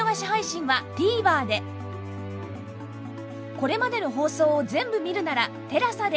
これまでの放送を全部見るなら ＴＥＬＡＳＡ で